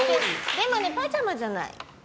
でもパジャマじゃない。